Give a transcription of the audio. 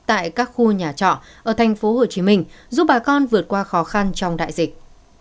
tại các khu nhà trọ ở thành phố hồ chí minh giúp bà con vượt qua khó khăn trong đại dịch